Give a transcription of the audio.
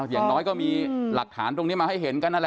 อย่างน้อยก็มีหลักฐานตรงนี้มาให้เห็นกันนั่นแหละ